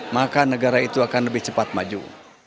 maka negara itu akan lebih cepat maju